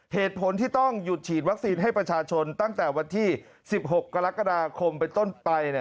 เหตุผลที่ต้องหยุดฉีดวัคซีนให้ประชาชนตั้งแต่วันที่๑๖กรกฎาคมไปต้นไป